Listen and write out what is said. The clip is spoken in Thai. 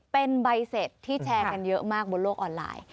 เป็นใบเสร็จที่แชร์กันเยอะมากบนโลกออนไลน์